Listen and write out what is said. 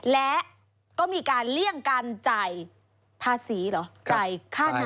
และก็มีการเลี่ยงการจ่ายภาษีเหรอจ่ายค่าน้ำ